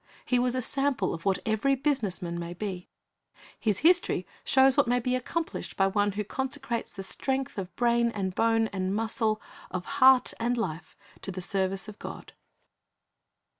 He was a sample of what every business man may be. His history shows what may be accomplished by one who consecrates the strength of brain and bone and muscle, of heart and life, to the service of God.